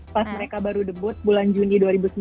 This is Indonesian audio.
pas mereka baru debut bulan juni dua ribu sembilan belas